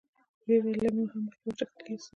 ویل یې لږ نور هم مخکې ورشه ښی لاسته.